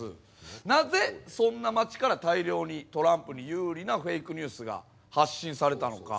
なぜそんな街から大量にトランプに有利なフェイクニュースが発信されたのか？